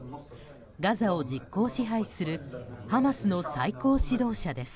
ガザを実効支配するハマスの最高指導者です。